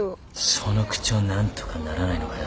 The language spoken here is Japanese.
その口調何とかならないのかよ。